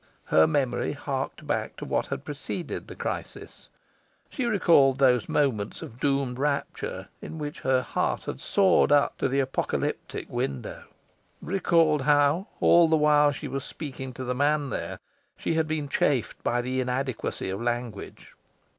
Her memory harked back to what had preceded the crisis. She recalled those moments of doomed rapture in which her heart had soared up to the apocalyptic window recalled how, all the while she was speaking to the man there, she had been chafed by the inadequacy of language.